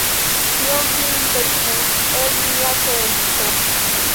Tio vin liberigus el mia ĉeesto.